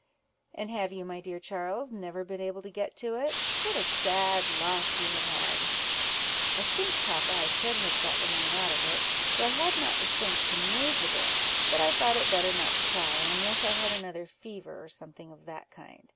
"And have you, my dear Charles, never been able to get to it? what a sad loss you have had!" "I think, papa, I could have got the wine out of it, though I had not strength to move the barrel; but I thought it better not to try, unless I had another fever, or something of that kind.